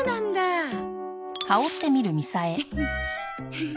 フフ。